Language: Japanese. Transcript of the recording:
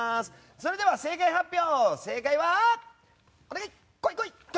それでは正解発表！